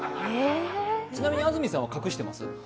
ちなみに安住さんは隠してます？